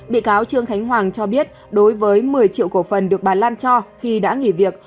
bị cáo trương khánh hoàng cho biết đối với một mươi triệu cổ phần được bà lan cho khi đã nghỉ việc